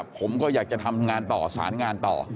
ผมก็อยากจะทำงานต่อสารงานต่อ